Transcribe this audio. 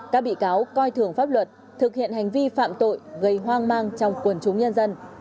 các bị cáo coi thường pháp luật thực hiện hành vi phạm tội gây hoang mang trong quần chúng nhân dân